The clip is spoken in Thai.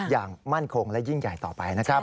อย่างมั่นคงและยิ่งใหญ่ต่อไปนะครับ